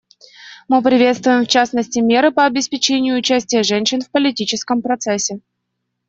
Мы приветствуем, в частности, меры по обеспечению участия женщин в политическом процессе.